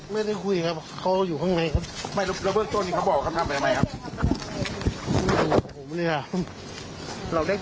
เราได้ถามไหมที่บ้านหลวงตามันเพราะอะไร